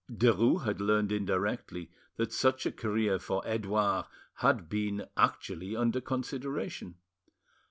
Derues had learnt indirectly that such a career for Edouard had been actually under consideration.